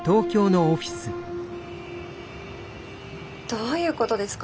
どういうことですか？